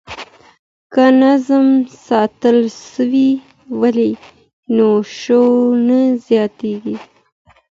که نظم ساتل سوی وي نو شور نه زیاتیږي.